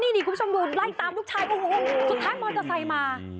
นี่คุณผู้ชมดูไล่ตามลูกชายโอ้โหสุดท้ายมอเตอร์ไซค์มา